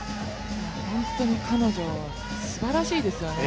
本当に彼女はすばらしいですよね。